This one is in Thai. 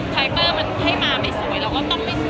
ไฟเตอร์มันให้มาไม่สวยเราก็ต้องไม่สวย